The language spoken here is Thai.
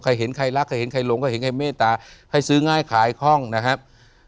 ใครเห็นใครรักใครเห็นใครลงก็เห็นใครเมตตาให้ซื้อง่ายขายคล่องนะครับ